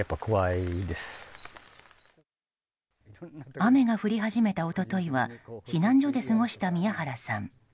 雨が降り始めた一昨日は避難所で過ごした宮原さん。